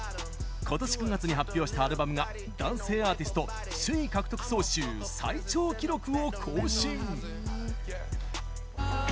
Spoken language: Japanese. ことし９月に発表したアルバムが男性アーティスト首位獲得総週最長記録を更新。